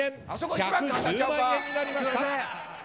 １１０万円になりました。